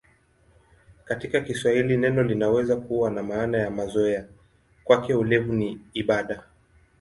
Katika Kiswahili neno linaweza kuwa na maana ya mazoea: "Kwake ulevi ni ibada".